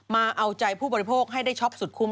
มาเอาใจผู้บริโภคให้ได้ช็อปสุดคุ้ม